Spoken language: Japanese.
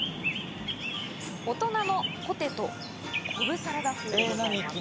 大人のポテトコブサラダ風です。